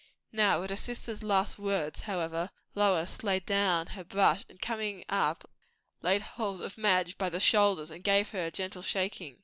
Now, at her sister's last words, however, Lois laid down her brush, and, coming up, laid hold of Madge by the shoulders and gave her a gentle shaking.